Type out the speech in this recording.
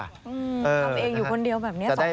ทำเองอยู่คนเดียวแบบเนี่ยสองเตาค่ะ